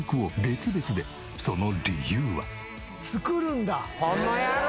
その理由は？